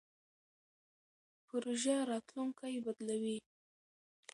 پروژه راتلونکی بدلوي.